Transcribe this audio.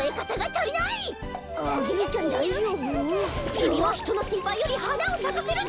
きみはひとのしんぱいよりはなをさかせるんだ。